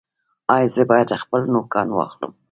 ایا زه باید خپل نوکان واخلم؟